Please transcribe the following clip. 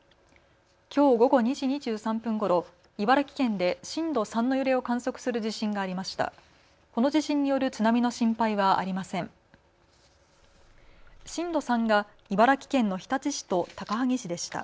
きょう午後２時２３分ごろ茨城県で震度３の揺れを観測する地震がありました。